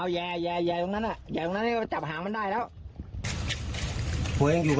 เอาแย่ตรงนั้นอ่ะอย่างนั้นจะจับหางมันได้แล้ว